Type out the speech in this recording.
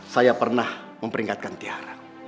saya pernah memperingatkan tiara